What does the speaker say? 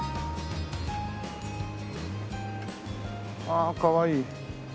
ああかわいい。